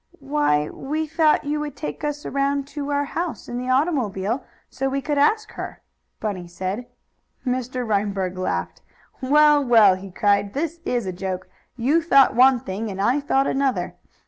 "Why why, we thought you would take us around to our house, in the automobile, so we could ask her," Bunny said. Mr. Reinberg laughed. "Well, well!" he cried. "This is a joke! You thought one thing and I thought another.